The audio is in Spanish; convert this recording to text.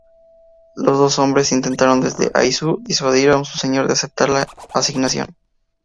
Los dos hombres intentaron desde Aizu disuadir a su Señor de aceptar la asignación.